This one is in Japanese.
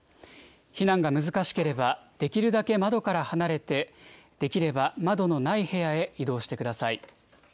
避難が難しければ、できるだけ窓から離れて、できれば窓のない部屋へ移動してください。